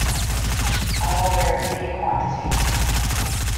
I'll wear any quantity.